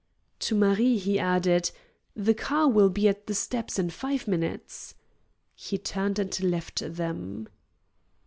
To Marie he added: "The car will be at the steps in five minutes." He turned and left them.